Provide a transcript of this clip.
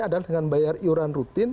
adalah dengan bayar iuran rutin